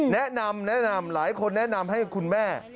แนะนำแนะนำหลายคนแนะนำให้คุณแม่